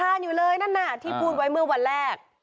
อยู่เลยนั่นน่ะที่พูดไว้เมื่อวันแรก